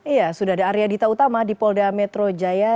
iya sudah ada arya dita utama di polda metro jaya